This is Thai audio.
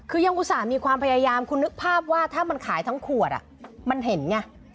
ต้องอุตส่าห์มีความพยายามคุณนึกภาพว่าถ้ามันขายทั้งขวดมันเห็นเนี่ยแล้วมันรู้